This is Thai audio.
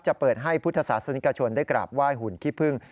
จะเปิดให้พุทธศาสนิกชนได้กราบไหว้หุ่นขี้พึ่ง